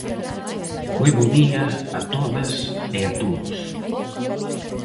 Moi bo día a todas e a todos.